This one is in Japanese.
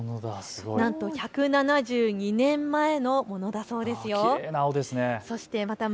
なんと１７２年前のものだそうですよ。